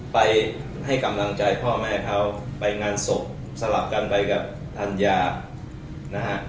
ไปให้กำลังใจพ่อแม่เขาไปงานศพสลับกันไปกับธัญญานะฮะ